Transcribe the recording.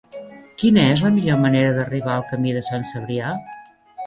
Quina és la millor manera d'arribar al camí de Sant Cebrià?